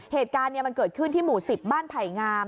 เหตุการณ์มันเกิดขึ้นที่หมู่๑๐บ้านไผ่งาม